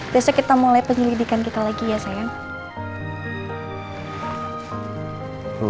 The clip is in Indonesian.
besok kita mulai penyelidikan kita lagi ya sayang